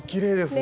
ね